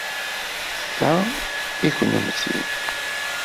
Ta i kennemti.